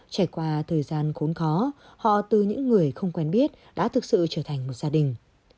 trải qua thời gian khốn khó họ từ những người không quen biết đã thực sự trở thành một gia đình